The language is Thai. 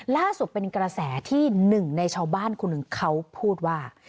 ล่าสุดเป็นกระแสที่หนึ่งในชาวบ้านคนหนึ่งเขาพูดว่า